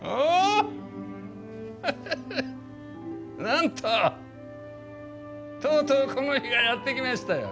なんととうとうこの日がやって来ましたよ。